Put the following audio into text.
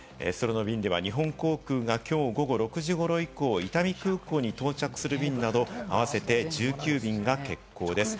日本航空がきょう午後６時ごろ以降、伊丹空港に到着する便など、合わせて１９便が欠航です。